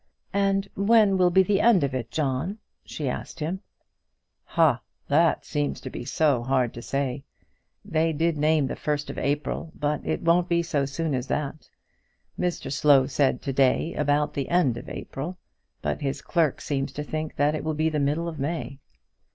"And when will be the end of it, John?" she asked him. "Ha! that seems so hard to say. They did name the first of April, but it won't be so soon as that. Mr Slow said to day about the end of April, but his clerk seems to think it will be the middle of May."